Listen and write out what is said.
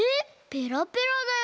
ペラペラだよ？